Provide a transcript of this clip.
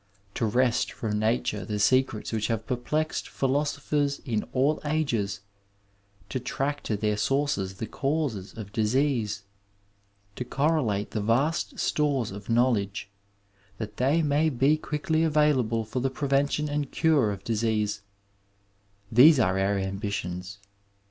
To wrest from nature the secrets which have perplexed philosophers in all ages, to track to their sources the causes of disease, to correlate the vast stores of knowledge, that they may be quickly available for the prevention and cure of disease — ^these are our am bitions.